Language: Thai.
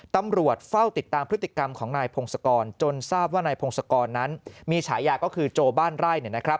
ตำรวจเฝ้าติดตามพฤติกรรมของนายพงศกรจนทราบว่านายพงศกรนั้นมีฉายาก็คือโจบ้านไร่